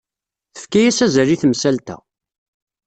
Tefka-as azal i temsalt-a.